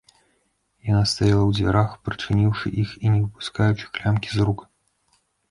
Яна стаяла ў дзвярах, прычыніўшы іх і не выпускаючы клямкі з рук.